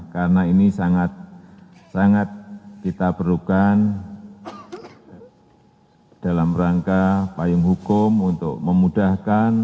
karena ini sangat kita perlukan dalam rangka payung hukum untuk memudahkan